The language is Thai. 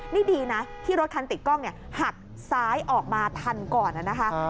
นี่ดีนะที่รถคันติดกล้องหักซ้ายออกมาทันก่อนนะคะ